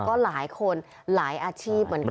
ก็หลายคนหลายอาชีพเหมือนกัน